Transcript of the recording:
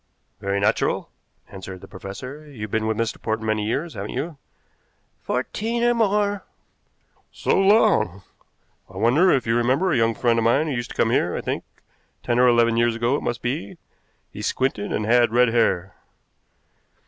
"Very natural," answered the professor. "You've been with Mr. Portman many years, haven't you?" "Fourteen or more." "So long! I wonder if you remember a young friend of mine who used to come here, I think. Ten or eleven years ago it must be. He squinted and had red hair."